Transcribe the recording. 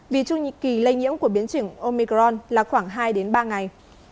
vì trung kỳ lây nhiễm của biến trưởng omicron là khoảng hai ba ngày